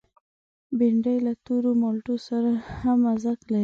بېنډۍ له تور مالټو سره هم مزه لري